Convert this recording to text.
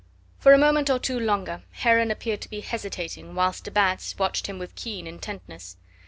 For a moment or two longer Heron appeared to be hesitating whilst de Batz watched him with keen intentness.